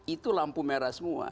itu lampu merah semua